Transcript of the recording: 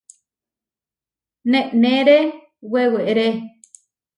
Neneré weweré.